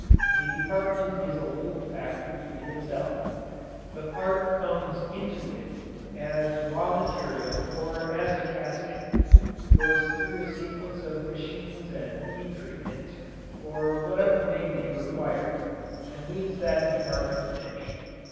A department is a little factory in itself. The part comes into it as raw material or as a casting, goes through the sequence of machines and heat treatments, or whatever may be required, and leaves that department finished.